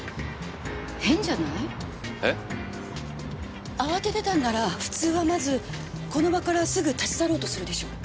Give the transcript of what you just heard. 変じゃない？えっ？慌ててたんなら普通はまずこの場からすぐ立ち去ろうとするでしょ？